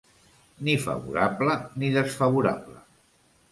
Ni favorable ni desfavorable.